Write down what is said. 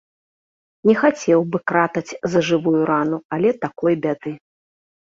Не хацеў бы кратаць за жывую рану, але такой бяды.